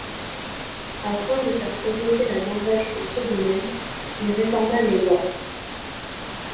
Afin de faire progresser la Norvège en ce domaine, il réforma les lois.